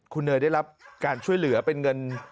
คุณเนยได้รับการช่วยเหลือเป็นเงิน